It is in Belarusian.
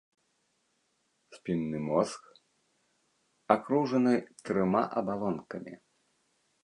Спінны мозг акружаны трыма абалонкамі.